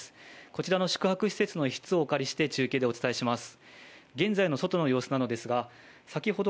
こちらの宿泊施設の一室をお借りして中継でお伝えします。